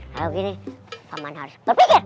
kalau gini pemen harus berpikir